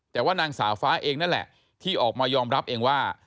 แต่ว่านางสาวฟ้าเองนั่นแหละที่ออกมายอมรับเองว่า